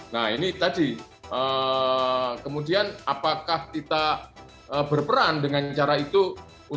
nah ini tadi kemudian apakah kita berperan dengan cara itu untuk benar benar secara praktik